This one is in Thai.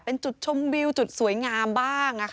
เป็นจุดชมวิวจุดสวยงามบ้าง